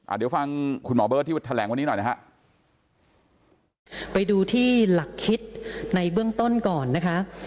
เดี๋ยวฟังคุณหมอเบิร์ตที่แถลงวันนี้หน่อยนะฮะไปดูที่หลักคิดในเบื้องต้นก่อนนะคะ